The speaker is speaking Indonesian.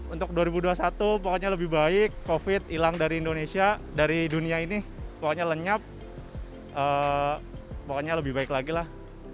untuk dua ribu dua puluh satu pokoknya lebih baik covid hilang dari indonesia dari dunia ini pokoknya lenyap pokoknya lebih baik lagi lah